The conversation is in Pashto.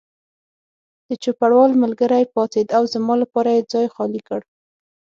د چوپړوال ملګری پاڅېد او زما لپاره یې ځای خالي کړ.